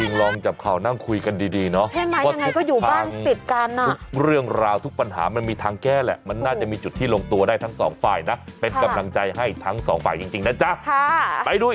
เออนั่นไงล่ะทางนั้นก็เลี้ยงหมาทางนี้ก็เลี้ยงแมว